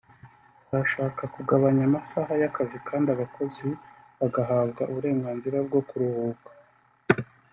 arashaka kugabanya amasaha y’akazi kandi abakozi bagahabwa uburenganzira bwo kuruhuka